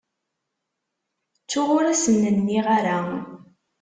Ttuɣ ur asen-nniɣ ara.